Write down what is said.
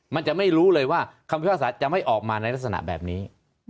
มันจะไม่รู้เลยว่าคำพิพากษาจะไม่ออกมาในลักษณะแบบนี้